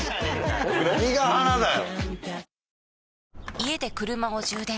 何が花だよ！